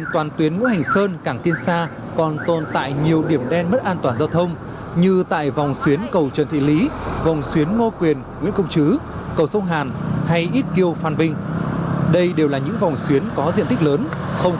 bây giờ lưu lượng xe đường xe thì nhiều nhưng đường thì nhỏ